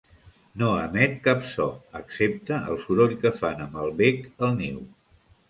No emet cap so, excepte el soroll que fan amb el bec al niu.